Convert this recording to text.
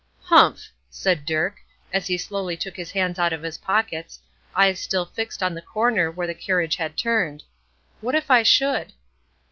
"Humph!" said Dirk, as he slowly took his hands out of his pockets, eyes still fixed on the corner where the carriage had turned, "what if I should?"